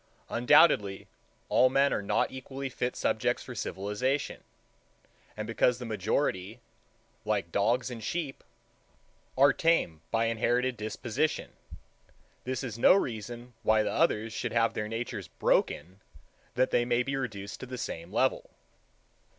Undoubtedly, all men are not equally fit subjects for civilization; and because the majority, like dogs and sheep, are tame by inherited disposition, this is no reason why the others should have their natures broken that they may be reduced to the same level.